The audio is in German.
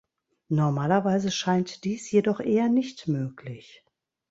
Normalerweise scheint dies jedoch eher nicht möglich.